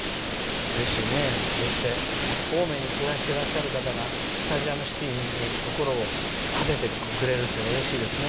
うれしいね、こうして青梅に暮らしている方がスタジアムシティに心をはせてくれるというのはうれしいですね。